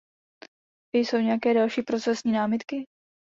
Jsou nějaké další procesní námitky?